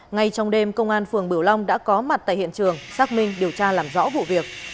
ngay trong đêm công an phường bưu long đã có mặt tại hiện trường xác minh điều tra làm rõ vụ việc